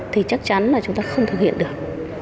thì chắc chắn là chúng ta không thực hiện được